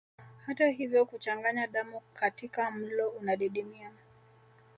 Hata hivyo kuchanganya damu katika mlo unadidimia